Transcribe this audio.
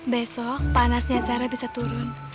besok panasnya sarah bisa turun